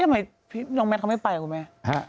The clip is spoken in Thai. ทำไมน้องแมทเขาไม่ไปคุณแม่